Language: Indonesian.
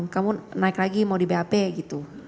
kamu naik lagi mau di bap gitu